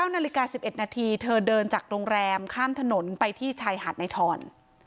๙นาฬิกา๑๑นาทีเธอเดินจากโรงแรมข้ามถนนไปที่ชายหาดในทร